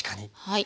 はい。